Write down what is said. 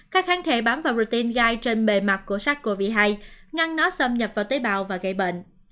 các kháng thể bám vào rtin gai trên bề mặt của sars cov hai ngăn nó xâm nhập vào tế bào và gây bệnh